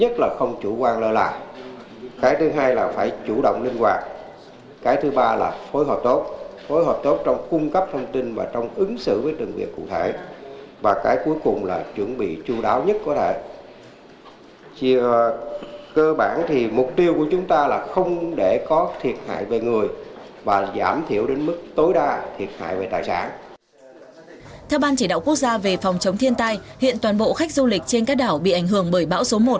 theo ban chỉ đạo quốc gia về phòng chống thiên tai hiện toàn bộ khách du lịch trên các đảo bị ảnh hưởng bởi bão số một